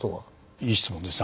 いい質問ですね